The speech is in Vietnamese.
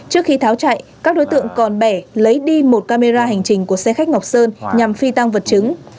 trước khi tháo chạy các đối tượng còn bẻ lấy đi một camera hành trình của xe khách ngọc sơn nhằm phi tăng vật chứng